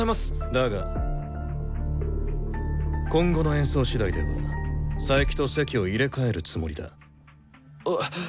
だが今後の演奏しだいでは佐伯と席を入れ替えるつもりだ。